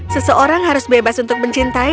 seseorang harus bebas untuk mencintai